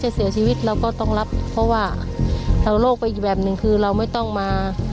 เจมส์ถือว่าทำเป็นกำลังหลักเป็นทำเพื่อชาติแล้ว